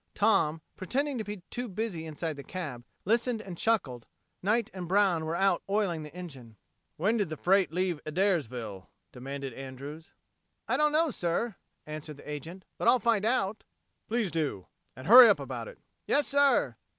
Tom, pretending to be busy inside the cab, listened and chuckled. Knight and Brown were out oiling the engine. "When did the freight leave Adairsville?" demanded Andrews. "I don't know, sir," answered the agent, "but I'll find out." "Yes, please do and hurry up about it." "Yes, sir."